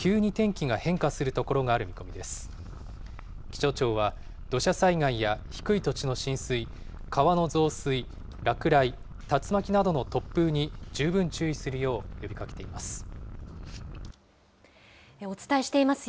気象庁は、土砂災害や低い土地の浸水、川の増水、落雷、竜巻などの突風に十分注意するよう呼びかけています。